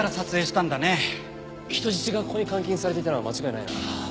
人質がここに監禁されていたのは間違いないな。